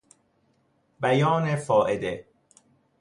بیان فائده